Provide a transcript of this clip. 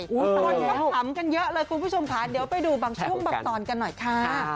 คนก็ขำกันเยอะเลยคุณผู้ชมค่ะเดี๋ยวไปดูบางช่วงบางตอนกันหน่อยค่ะ